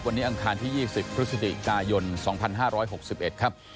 วันนี้อังคารที่๒๐พฤศจิกายน๒๕๖๑ครับ